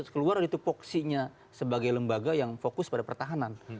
keluar dari tupoksinya sebagai lembaga yang fokus pada pertahanan